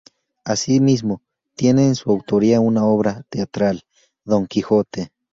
Asimismo, tiene en su autoría una obra teatral, "Don Quijote".